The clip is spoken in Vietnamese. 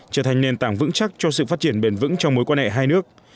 trở thành nền tảng vững chắc cho sự phát triển bền vững trong mối quan hệ hai nước